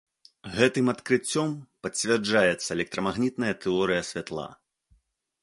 Гэтым адкрыццём пацвярджаецца электрамагнітная тэорыя святла.